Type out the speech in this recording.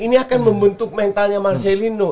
ini akan membentuk mentalnya marcelino